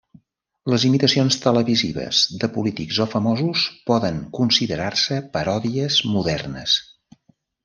Les imitacions televisives de polítics o famosos poden considerar-se paròdies modernes.